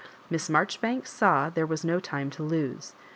Miss Marjoribanks saw there was no time to lose.